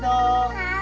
はい。